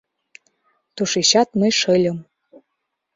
Тушечат мый шыльым...